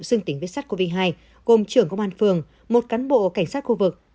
xưng tính viết sắt covid một mươi chín gồm trưởng công an phường một cán bộ cảnh sát khu vực